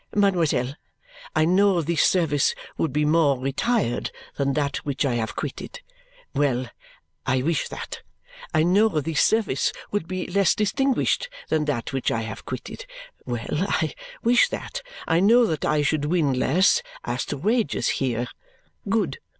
Mademoiselle, I know this service would be more retired than that which I have quitted. Well! I wish that. I know this service would be less distinguished than that which I have quitted. Well! I wish that, I know that I should win less, as to wages here. Good.